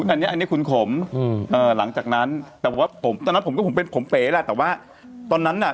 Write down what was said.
อันนี้คุณขมหลังจากนั้นแต่ว่าตอนนั้นผมก็เป็นผมเป๋ล่ะแต่ว่าตอนนั้นน่ะ